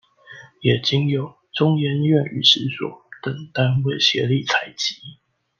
也經由中研院史語所等單位協力採集